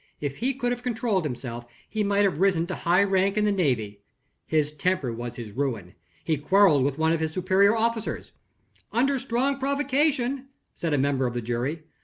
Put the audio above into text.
If he could have controlled himself, he might have risen to high rank in the Navy. His temper was his ruin. He quarreled with one of his superior officers " "Under strong provocation," said a member of the jury.